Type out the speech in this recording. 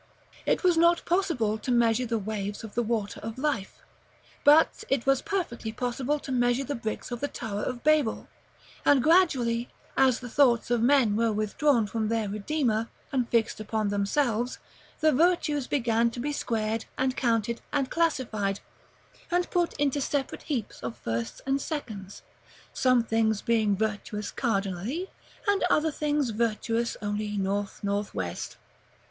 It was not possible to measure the waves of the water of life, but it was perfectly possible to measure the bricks of the Tower of Babel; and gradually, as the thoughts of men were withdrawn from their Redeemer, and fixed upon themselves, the virtues began to be squared, and counted, and classified, and put into separate heaps of firsts and seconds; some things being virtuous cardinally, and other things virtuous only north north west.